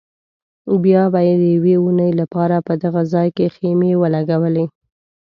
بیا به یې د یوې اونۍ لپاره په دغه ځای کې خیمې ولګولې.